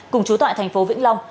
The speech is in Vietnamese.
cùng trú tại thành phố vĩnh long